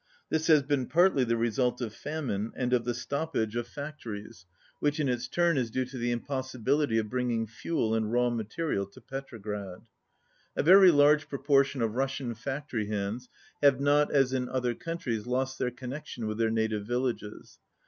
This has been partly the result of famine and of the stoppage of fac 13 tories, which in its turn is due to the impossibility of bringing fuel and raw material to Petrograd. A very large proportion of Russian factory hands have not, as in other countries, lost their connec tion with their native villages.